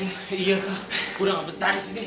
iya kak kurang betah di sini